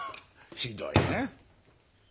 ひどいね。